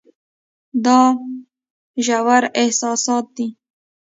دا ژور احساسات دي.